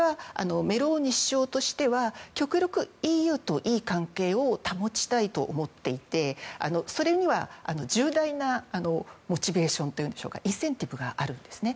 ただ、私はメローニ首相としては極力、ＥＵといい関係を保ちたいと思っていてそれには重大なモチベーションインセンティブがあるんですね。